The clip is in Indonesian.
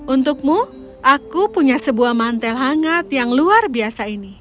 untukmu aku punya sebuah mantel hangat yang luar biasa ini